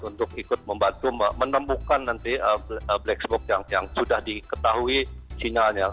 untuk ikut membantu menemukan nanti black box yang sudah diketahui sinyalnya